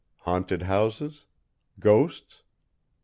HAUNTED HOUSES. GHOSTS.